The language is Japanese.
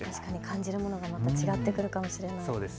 感じるものが何か違ってくるかもしれません。